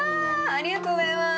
ありがとうございます